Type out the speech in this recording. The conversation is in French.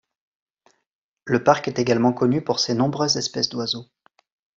Le parc est également connu pour ses nombreuses espèces d'oiseaux.